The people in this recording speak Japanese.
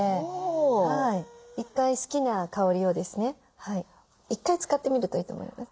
一回好きな香りをですね一回使ってみるといいと思います。